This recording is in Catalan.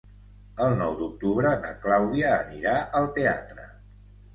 El nou d'octubre na Clàudia anirà al teatre.